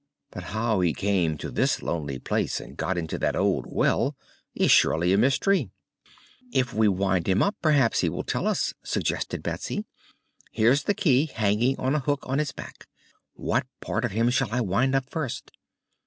But how he came to this lonely place, and got into that old well, is surely a mystery." "If we wind him, perhaps he will tell us," suggested Betsy. "Here's the key, hanging to a hook on his back. What part of him shall I wind up first?"